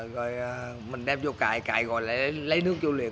rồi mình đem vô cài cài rồi lấy nước vô liền